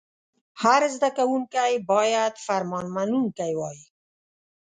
هر زده کوونکی باید فرمان منونکی وای.